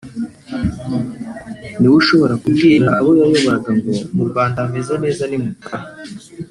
niwe ushobora kubwira abo yayoboraga ngo mu Rwanda hameze neza nimutahe